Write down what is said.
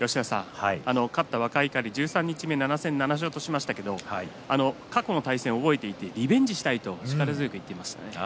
勝った若碇、十三日目７戦７勝としましたけど過去の対戦も覚えていてリベンジしたいと力強く言っていました。